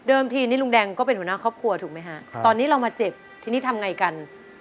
ทีนี้ลุงแดงก็เป็นหัวหน้าครอบครัวถูกไหมฮะตอนนี้เรามาเจ็บทีนี้ทำไงกัน